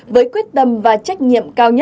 với quyết tâm và trách nhiệm